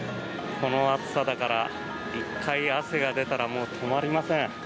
この暑さだから１回汗が出たらもう止まりません。